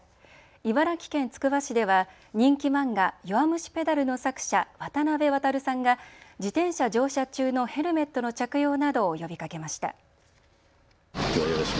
茨城県つくば市では人気漫画、弱虫ペダルの作者、渡辺航さんが自転車乗車中のヘルメットの着用などを呼びかけました。